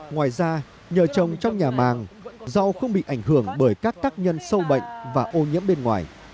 ngoài ra nhờ trồng trong nhà màng rau không bị ảnh hưởng bởi các tác nhân sâu bệnh và ô nhiễm bên ngoài